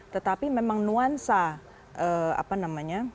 tetapi memang nuansa